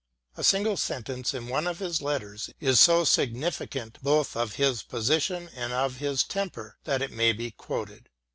A single sentence in one of his letters is so significant both of his position and of his temper that it may be quoted.